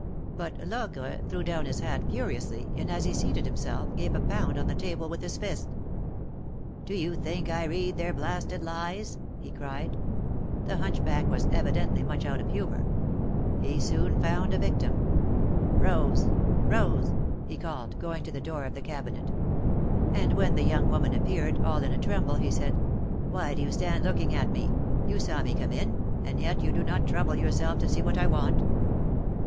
But Logre threw down his hat furiously, and, as he seated himself, gave a pound on the table with his fist. '^Do you think I read their blasted lies?" he cried. The hunchback was evidently much out of humor. He soon found a victim. Rose ! Rose !" he called, going to the door of the cabinet. And when the young woman appeared, all in a tremble, he said : '^Why do you stand looking at me? You saw me' come in, and yet you do not trouble yourself to see what I want."